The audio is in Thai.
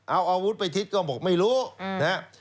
เอาอาวุธไปทิศก็บอกไม่รู้นะครับ